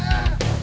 saya yang menang